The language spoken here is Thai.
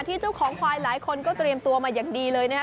เจ้าของควายหลายคนก็เตรียมตัวมาอย่างดีเลยนะคะ